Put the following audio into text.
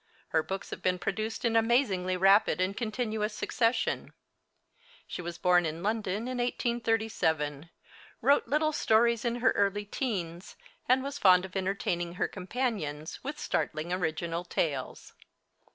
Her books have been produced in amazingly rapid and continuous succession. She was born in London in 1837, wrote little stories in her early teens, and was fond of entertaining her companions with startling original tales.